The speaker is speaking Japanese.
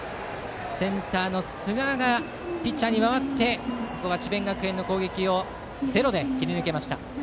センターの寿賀がピッチャーに変わってここは智弁学園の攻撃をゼロで切り抜けました。